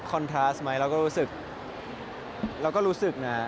คอนทราสต์ไหมเราก็รู้สึกนะ